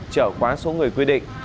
trở quá số người quy định